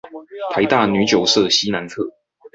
臺大女九舍西南側